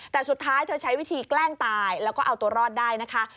แต่สุดท้ายเธอใช้วิธีแกล้งตายแล้วก็เอาตัวรอดได้นะคะ